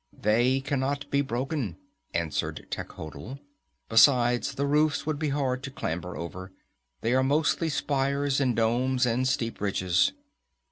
"They cannot be broken," answered Techotl. "Besides, the roofs would be hard to clamber over. They are mostly spires and domes and steep ridges."